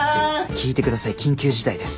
聞いて下さい緊急事態です。